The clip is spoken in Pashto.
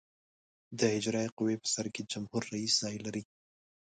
د اجرائیه قوې په سر کې جمهور رئیس ځای لري.